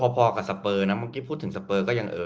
พอกับสเปอร์นะเมื่อกี้พูดถึงสเปอร์ก็ยังเออ